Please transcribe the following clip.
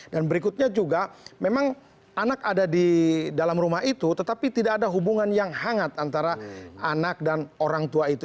dan berikutnya juga memang anak ada di dalam rumah itu tetapi tidak ada hubungan yang hangat antara anak dan orang tua itu